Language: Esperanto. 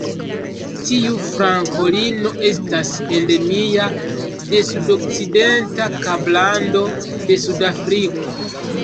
Tiu frankolino estas endemia de sudokcidenta Kablando de Sudafriko.